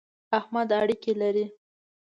احمد اړېکی لري.